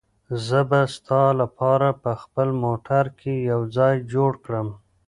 زه به ستا لپاره په خپل موټر کې یو ځای جوړ کړم.